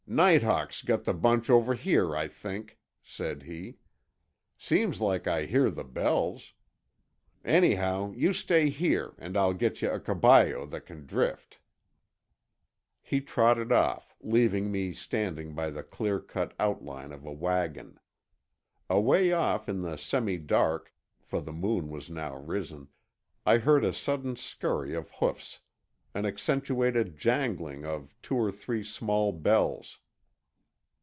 "Night hawk's got the bunch over here, I think," said he. "Seems like I hear the bells. Anyhow, you stay here and I'll get yuh a caballo that can drift." He trotted off, leaving me standing by the clear cut outline of a wagon. Away off in the semi dark—for the moon was now risen—I heard a sudden scurry of hoofs, an accentuated jangling of two or three small bells.